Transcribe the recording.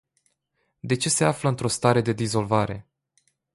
De ce se află într-o stare de dizolvare?